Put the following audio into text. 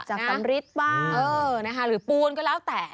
สำริดบ้างหรือปูนก็แล้วแต่